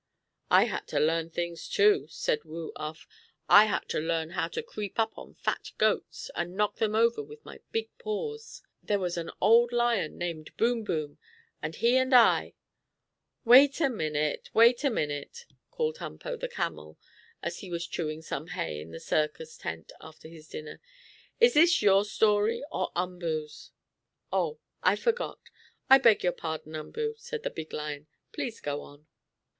"I had to learn things too," said Woo Uff. "I had to learn how to creep up on fat goats, and knock them over with my big paws. There was an old lion named Boom Boom, and he and I " "Wait a minute! Wait a minute!" called Humpo, the camel, as he was chewing some hay in the circus tent after his dinner. "Is this your story, or Umboo's?" "Oh, I forgot. I beg your pardon, Umboo!" said the big lion. "Please go on."